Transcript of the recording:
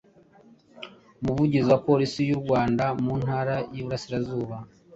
Umuvugizi wa Polisi y’u Rwanda mu Ntara y’Iburasirazuba,